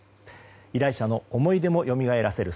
依頼者の思い出もよみがえらせる